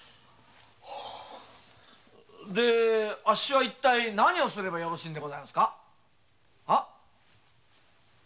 それで一体あっしは何をすればよろしいんでございますか？